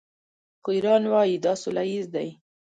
خو ایران وايي دا سوله ییز دی.